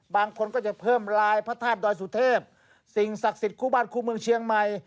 บางคนก็จะเพิ่มลายพระธาตุดอยสุเทพสิ่งศักดิ์สิทธิ์คู่บ้านคู่เมืองเชียงใหม่